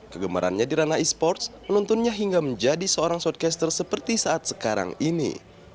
kegemarannya di ranah e sports menuntunnya hingga menjadi seorang shortcaster seperti saat sekarang ini